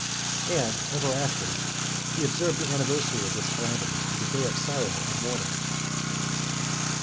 And (87) ever after, he observed the anniversary of this calamity, as a day of sorrow and mourning.